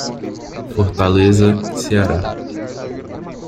Fortaleza, Ceará.